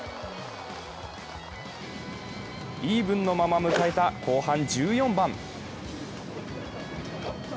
イーブンのまま迎えた後半１４番。